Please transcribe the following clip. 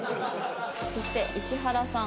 そして石原さん。